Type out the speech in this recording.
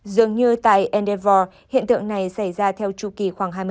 dường như tại endeavour hiện tượng của mặt này là một lớp vỏ đại dương hoàn toàn mới